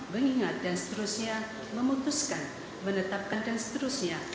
mengingat dan seterusnya memutuskan menetapkan dan seterusnya